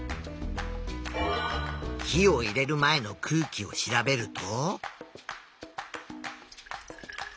火を入れる前の空気を調べると。